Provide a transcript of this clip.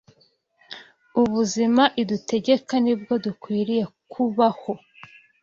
Ubuzima idutegeka ni bwo dukwiriye kubaho